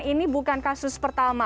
ini bukan kasus pertama